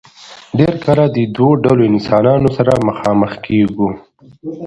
ډېر کله د دو ډلو انسانانو سره مخامخ کيږو